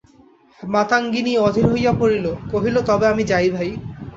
মাতঙ্গিনী অধীর হইয়া পড়িল, কহিল, তবে আমি যাই ভাই।